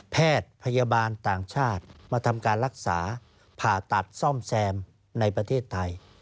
แพทย์พยาบาลต่างชาติมาทำการรักษาผ่าตัดซ่อมแซมในประเทศไทย